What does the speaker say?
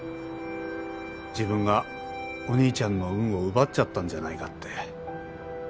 自分がお兄ちゃんの運を奪っちゃったんじゃないかって。